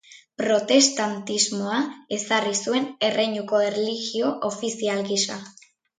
Protestantismoa ezarri zuen erreinuko erlijio ofizial gisa.